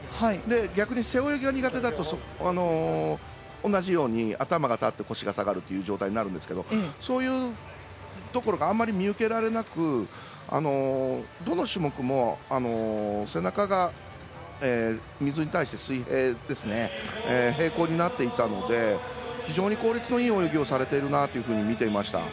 逆に背泳ぎが苦手だと同じように頭が立って腰が下がるという状態になるんですがそういうところがあまり見受けられなくどの種目も背中が水に対して平行になっていたので非常に効率のいい泳ぎをされているなというふうに見ていました。